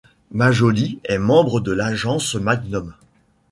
Majoli est membre de l'Agence Magnum.